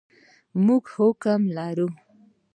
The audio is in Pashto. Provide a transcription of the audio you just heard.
موږ حکیم لرو ؟